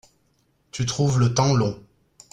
tu trouves le temps long.